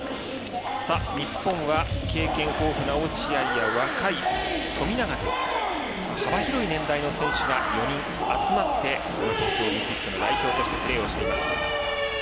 日本は、経験豊富な落合や若い富永と幅広い年代が４人集まってこの東京オリンピックの代表としてプレーをしています。